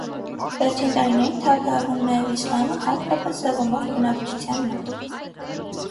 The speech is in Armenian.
Վերջին տարիներին թափ է առնում նաև իսլամը, հատկապես, սևամորթ բնակչության մոտ։